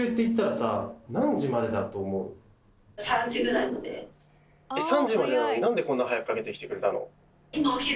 ３時までなのになんでこんな早くかけてきてくれたの？